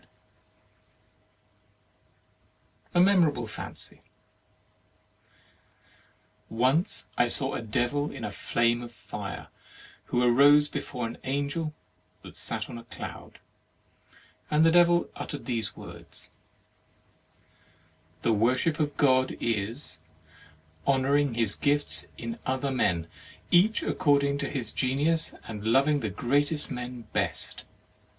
39 THE MARRIAGE OF A MEMORABLE FANCY Once I saw a Devil in a flame of fire, who arose before an Angel that sat on a cloud, and the Devil uttered these words: "The worship of God is, honouring His gifts in other men each according to his genius, and loving the greatest men best.